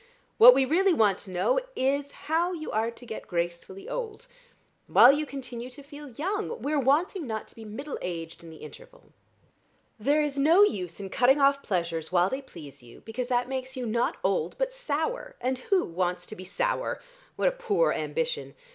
"What we really want to know is how you are to get gracefully old, while you continue to feel young. We're wanting not to be middle aged in the interval. There is no use in cutting off pleasures, while they please you, because that makes you not old but sour, and who wants to be sour? What a poor ambition!